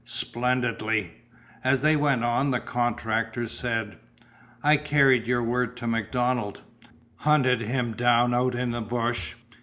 "Splendidly!" As they went on, the contractor said: "I carried your word to MacDonald. Hunted him down out in the bush.